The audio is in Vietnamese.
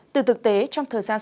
từ thực tế trong thời gian này